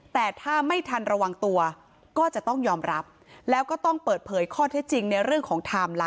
แต่ถ้าไม่ทันระวังตัวก็จะต้องยอมรับแล้วก็ต้องเปิดเผยข้อเท็จจริงในเรื่องของไทม์